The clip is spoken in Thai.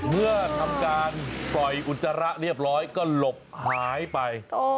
เมื่อทำการปล่อยอุจจาระเรียบร้อยก็หลบหายไป